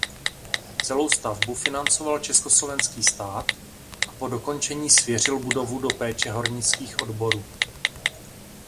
Celou stavbu financoval československý stát a po dokončení svěřil budovu do péče hornických odborů.